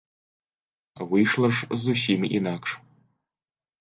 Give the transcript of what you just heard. Выйшла ж зусім інакш.